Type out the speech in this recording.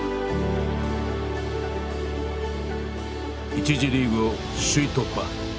１次リーグを首位突破。